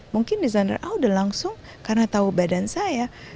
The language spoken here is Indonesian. mungkin designer a udah langsung karena tahu badan saya